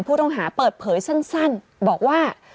ผู้ต้องหาเปิดเผยสั้นบอกว่า